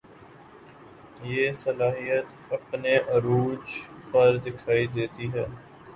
یہ صلاحیت اپنے عروج پر دکھائی دیتی ہے